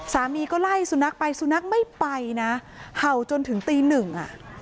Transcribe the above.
สามีก็ไล่สุนัขไปสุนัขไม่ไปนะเห่าจนถึงตีหนึ่งอ่ะ